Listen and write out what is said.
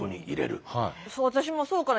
私もそうかな。